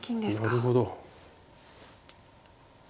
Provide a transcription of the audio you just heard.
なるほど。